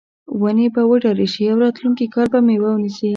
ونې به وډارې شي او راتلونکي کال به میوه ونیسي.